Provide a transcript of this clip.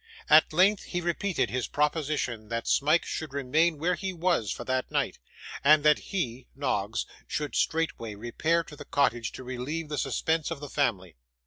At length he repeated his proposition that Smike should remain where he was for that night, and that he (Noggs) should straightway repair to the cottage to relieve the suspense of the family.